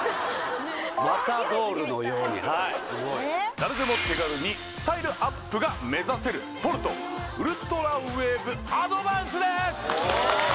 おお誰でも手軽にスタイルアップが目指せるポルトウルトラウェーブアドバンスです